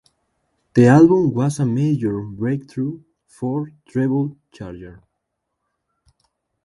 The album was a major breakthrough for Treble Charger.